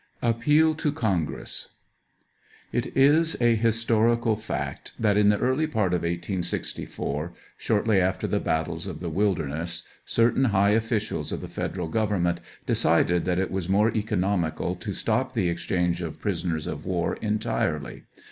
APPEAL TO CONGRESS. It is a historical fact that in the early part of 1864, shortly after the battles of the wilderness, certain higii otiicials of the Federal gov ernment decided that it was more economical to stop the exchange of prisoners of w^ar entirely.